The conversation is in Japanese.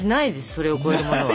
それを超えるものは。